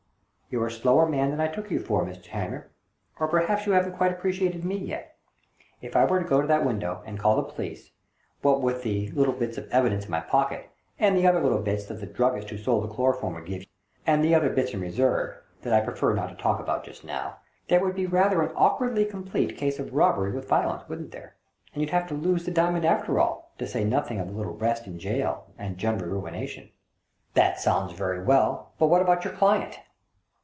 "You're a slower man than I took you for, Mr. Hamer — or perhaps you haven't quite appreciated 7ne yet. If I were to go to that window and call the police, what with the little bits of evidence in my pocket, and the other little bits that the drug gists who sold the chloroform would give, and the other bits in reserve, that I prefer not to talk about just now — there would be rather an awk wardly complete case of robbery with violence, wouldn't there? And you'd have to lose the diamond after all, to say nothing of a little rest in gaol and general ruination." " That sounds very well, but what about your client?